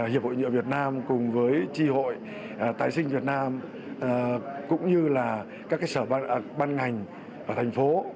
hiệp hội nhựa việt nam cùng với tri hội tài sinh việt nam cũng như là các cái sở ban ngành và thành phố